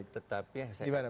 tetapi saya ingatkan